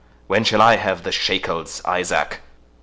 —when shall I have the shekels, Isaac?"